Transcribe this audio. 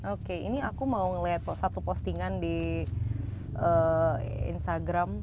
oke ini aku mau ngeliat satu postingan di instagram